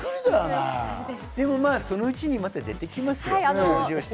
でもそのうちにまた出てきますよ。